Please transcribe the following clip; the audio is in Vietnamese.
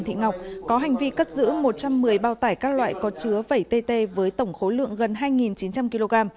thị ngọc có hành vi cất giữ một trăm một mươi bao tải các loại có chứa vẩy tt với tổng khối lượng gần hai chín trăm linh kg